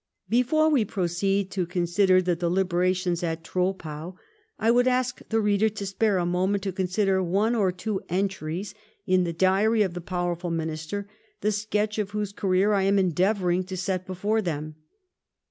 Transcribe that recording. Before we proceed to consider the deliberations at Troppau I would ask the reader to spare a moment to consider one or two entries in the diary of the powerful minister the sketch of whose career I am endeavouring to set before them.